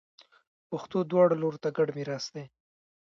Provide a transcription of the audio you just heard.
پښتو دواړو لورو ته ګډ میراث دی.